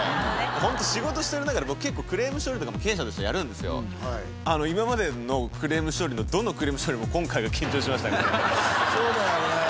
本当、仕事してる中、僕、結構、クレーム処理とかも、経営者としてやるんですよ。今までのクレーム処理のどのクレーム処理も今回のは緊張しましたそうだよね。